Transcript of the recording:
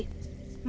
màn kịch vụng